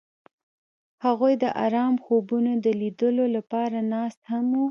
هغوی د آرام خوبونو د لیدلو لپاره ناست هم وو.